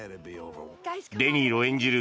デ・ニーロ演じる